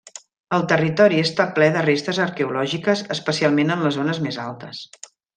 El territori està ple de restes arqueològiques, especialment en les zones més altes.